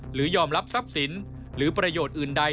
หรือยอมรับทรัพย์สินหรือประโยชน์อื่นใด